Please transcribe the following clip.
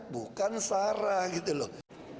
bukan sarah gitu loh